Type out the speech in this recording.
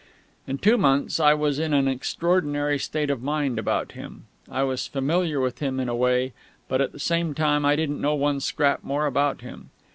In two months I was in an extraordinary state of mind about him. I was familiar with him in a way, but at the same time I didn't know one scrap more about him.